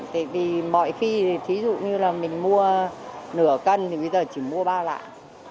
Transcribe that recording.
tại vì mỗi khi ví dụ như là mình mua nửa cân thì bây giờ chỉ mua ba lạng